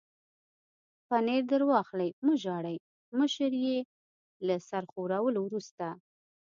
پنیر در واخلئ، مه ژاړئ، مشرې یې له سر ښورولو وروسته.